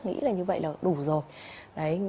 nghĩ là như vậy là đủ rồi